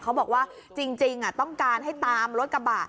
เขาบอกว่าจริงต้องการให้ตามรถกระบะ